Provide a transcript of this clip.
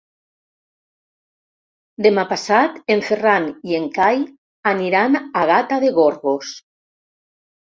Demà passat en Ferran i en Cai aniran a Gata de Gorgos.